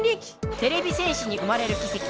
てれび戦士に生まれるきせき